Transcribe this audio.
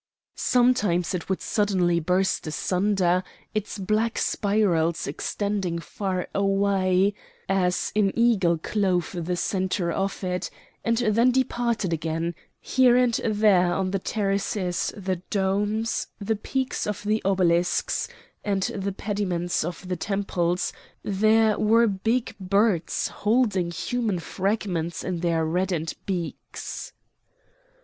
Sometimes it would suddenly burst asunder, its black spirals extending far away, as an eagle clove the centre of it, and then departed again; here and there on the terraces the domes, the peaks of the obelisks, and the pediments of the temples there were big birds holding human fragments in their reddened beaks.